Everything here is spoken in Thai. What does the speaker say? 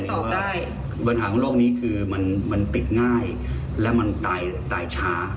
แล้วก็บัญหาของโรคนี้คือมันติดง่ายแล้วมันตายช้า